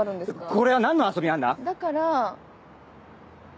これは何の遊びなんだ⁉だから。